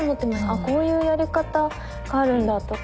あっこういうやり方があるんだとか。